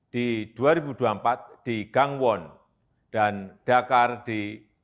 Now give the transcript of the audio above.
di dua ribu dua puluh empat di gangwon dan dakar di dua ribu dua puluh